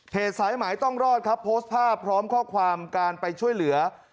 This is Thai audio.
สายหมายต้องรอดครับโพสต์ภาพพร้อมข้อความการไปช่วยเหลือ